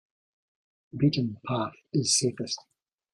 The beaten path is safest.